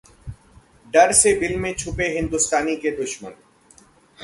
डर से बिल में छुपे हिंदुस्तान के दुश्मन...